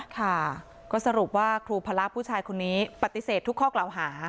ค่ะก็สรุปว่าครูพระผู้ชายคนนี้ปฏิเสธทุกข้อกล่าวหา